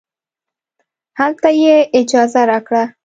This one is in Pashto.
هلته یې اجازه راکړه.